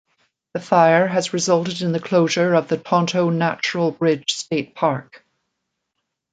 The fire has resulted in the closure of the Tonto Natural Bridge State Park.